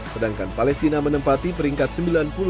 sedangkan palestina menempati peringkat sembilan puluh tujuh fifa